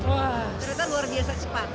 wah ternyata luar biasa cepat